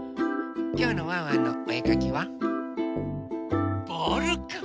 きょうの「ワンワンのおえかき」はボールくん。